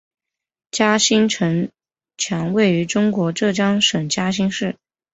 嘉兴城墙位于中国浙江省嘉兴市。